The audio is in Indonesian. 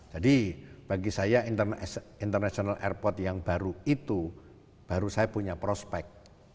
jadi bagi saya international airport yang baru itu baru saya punya prospek